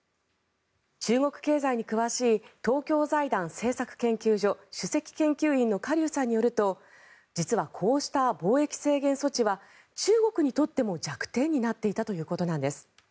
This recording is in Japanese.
中国経済に詳しい東京財団政策研究所主席研究員のカ・リュウさんによると実はこうした貿易制限措置は中国にとっても弱点になっていたということなんです。